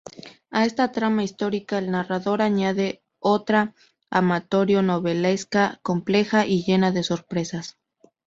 A esta trama histórica, el narrador añade otra amatorio-novelesca, compleja y llena de sorpresas.